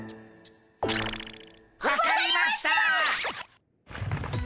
分かりましたっ！